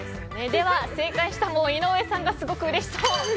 では、正解した井上さんがすごくうれしそう。